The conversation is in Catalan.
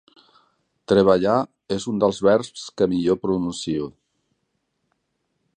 Treballar és un dels verbs que millor pronuncio.